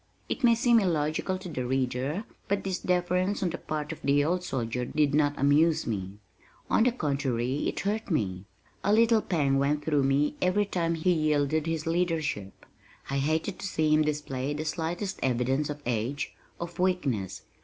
It may seem illogical to the reader, but this deference on the part of the old soldier did not amuse me. On the contrary it hurt me. A little pang went through me every time he yielded his leadership. I hated to see him display the slightest evidence of age, of weakness.